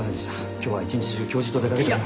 今日は一日中教授と出かけておりまして。